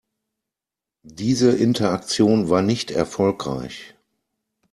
Diese Interaktion war nicht erfolgreich.